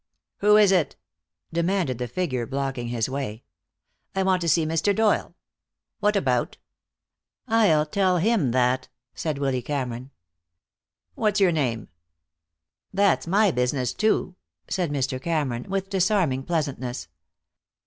"Who is it?" demanded the figure blocking his way. "I want to see Mr. Doyle." "What about?" "I'll tell him that," said Willy Cameron. "What's your name?" "That's my business, too," said Mr. Cameron, with disarming pleasantness.